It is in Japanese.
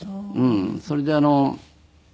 それで。